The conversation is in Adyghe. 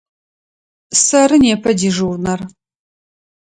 Сэры непэ дежурнэр.